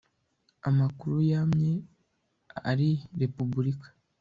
Amakuru yamye ari republika